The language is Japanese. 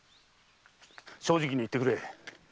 正直に言ってくれ。